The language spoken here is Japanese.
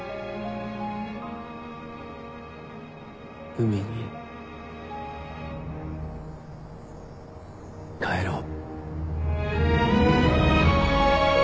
海に帰ろう。